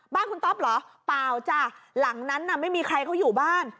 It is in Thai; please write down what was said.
บ้านคุณต๊อปเหรอเปล่าจ้ะหลังนั้นน่ะไม่มีใครเขาอยู่บ้าน